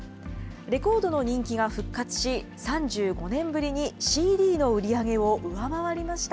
レコードの人気が復活し、３５年ぶりにＣＤの売り上げを上回りました。